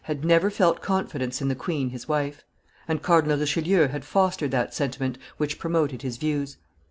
had never felt confidence in the queen his wife; and Cardinal Richelieu had fostered that sentiment which promoted his views.